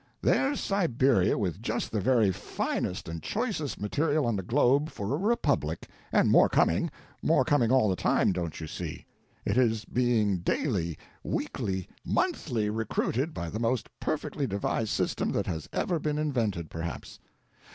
There's Siberia with just the very finest and choicest material on the globe for a republic, and more coming—more coming all the time, don't you see! It is being daily, weekly, monthly recruited by the most perfectly devised system that has ever been invented, perhaps.